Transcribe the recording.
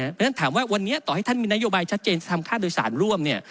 เพราะฉะนั้นถามว่าวันนี้ต่อให้ท่านมีนโยบายชัดเจนจะทำค่าโดยสารร่วมเนี่ย